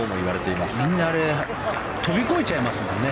みんな飛び越えちゃいますもんね。